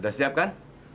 udah siap kan